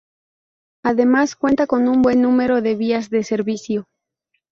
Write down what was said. Además, cuenta con un buen número de vías de servicio.